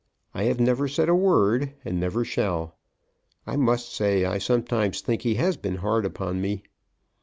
I have never said a word, and never shall. I must say I sometimes think he has been hard upon me.